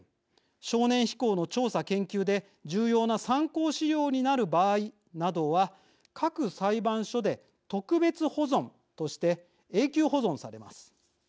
少年非行の調査研究で重要な参考資料になる場合などは各裁判所で特別保存として永久保存されます。